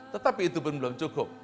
tetapi itu pun belum cukup